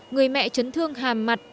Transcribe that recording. người mẹ trấn thương hàm mặt